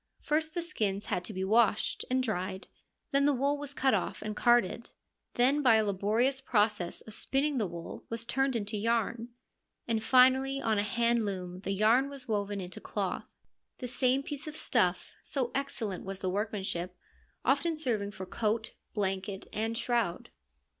First, the skins had to be washed and dried ; then the wool was cut off and carded ; then by a laborious process of spinning the wool was turned into yarn, and finally on a hand loom the yarn was woven into cloth : the same piece of stuff, so excellent was the workmanship, often serving for coat, blanket and shroud.